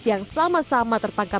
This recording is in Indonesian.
yang sama sama tertangkap